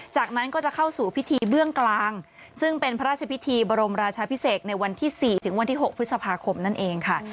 จากนั้นก็จะเข้าสู่พิธีเบื้องกลางซึ่งเป็นพระราชพิธีบรมราชาพิเศษในวันที่๔ถึงวันที่๖พฤษภาคมนั่นเองค่ะ